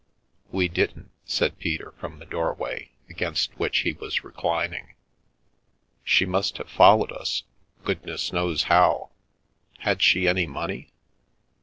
" We didn't," said Peter, from the doorway, aga which he was reclining. " She must have followed — goodness knows how. Had she any money